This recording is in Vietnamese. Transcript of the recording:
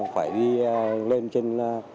phải đi lên trên